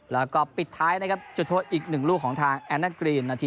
แล้วก็ปิดท้ายนะครับจุดโทษอีก๑ลูกของทางแอนนากรีนนาที